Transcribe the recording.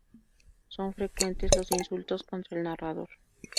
Son frecuentes los insultos contra el narrador.